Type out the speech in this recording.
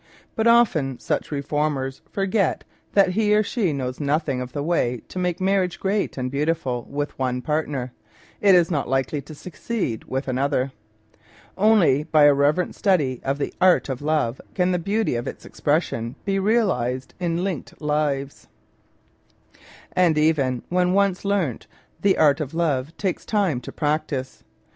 But often such re formers forget that he or she who knows nothing of the way to make marriage great and beautiful with one partner, is not likely to succeed with another. Only by a reverent study of the Art of Love can the beauty of its expression be realised in linked lives. And even when once learnt, the Art of Love takes time to practise.